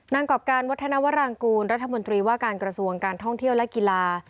กรอบการวัฒนวรางกูลรัฐมนตรีว่าการกระทรวงการท่องเที่ยวและกีฬา